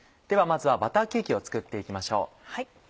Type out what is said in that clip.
ではまずはバターケーキを作って行きましょう。